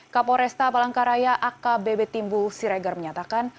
kapolresta palangkaraya akbb timbul siregar menyatakan